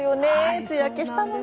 梅雨明けしたのに。